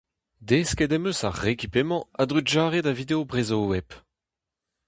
Desket em eus ar rekipe-mañ a-drugarez da video Brezhoweb.